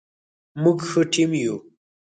موږ ښه ټیم یو